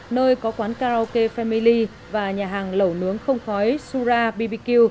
nơi có quán karaoke family và nhà hàng lẩu nướng không khói sura bbq